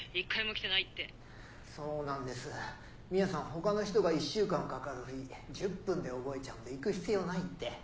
他の人が１週間かかる振り１０分で覚えちゃうんで行く必要ないって。